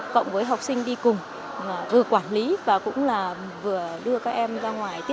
cộng với học sinh đi cùng vừa quản lý và vừa đưa các em ra ngoài